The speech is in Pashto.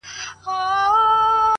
گراني اتيا زره صفاته دې په خال کي سته’